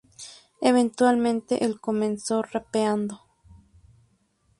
Eventualmente el comenzó rapeando.